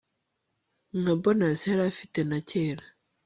nka bonus yari afite na kera